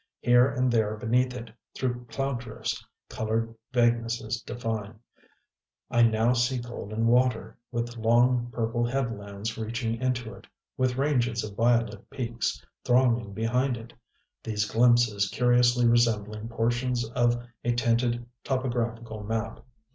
Here and there beneath it, through cloudrifts, colored vaguenesses define: I now see golden water, with long purple headlands reaching into it, with ranges of violet peaks thronging behind it; these glimpses curiously resembling portions of a tinted topographical map.